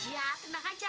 ya tenang aja